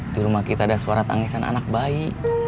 di rumah kita ada suara tangisan anak bayi